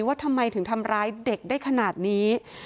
ว่าทำไมถึงทำร้ายเด็กได้ขนาดนี้